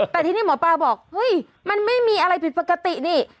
แต่ทีนี้หมอปลาบอกเฮ้ยมันไม่มีอะไรผิดปกตินี่